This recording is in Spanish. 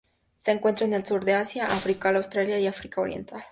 Se encuentra en el Sur de Asia, África austral y África oriental.